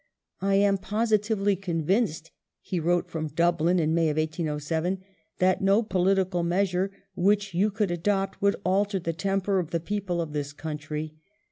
" I am positively convinced," he wrote from Dublin in May, 1807, "that no political measure which you could adopt would alter the temper of the people of this country.